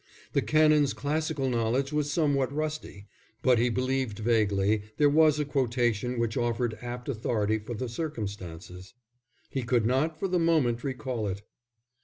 The Canon's classical knowledge was somewhat rusty, but he believed vaguely there was a quotation which offered apt authority for the circumstances. He could not for the moment recall it.